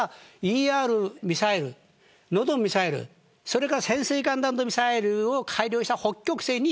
ＥＲミサイル、ノドンミサイルそれから潜水艦弾道ミサイルを改良した北極星。